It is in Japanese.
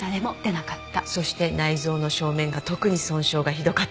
そして内臓の正面が特に損傷がひどかった。